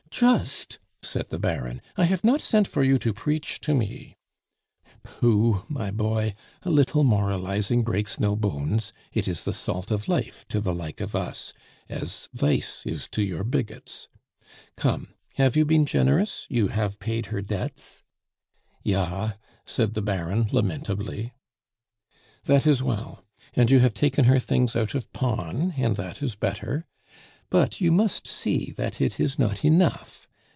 "Just?" said the Baron. "I hafe not sent for you to preach to me " "Pooh, my boy! A little moralizing breaks no bones. It is the salt of life to the like of us, as vice is to your bigots. Come, have you been generous? You have paid her debts?" "Ja," said the Baron lamentably. "That is well; and you have taken her things out of pawn, and that is better. But you must see that it is not enough.